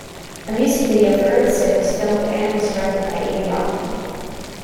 A music video for Earthsick was filmed and was directed by Avi Roffman.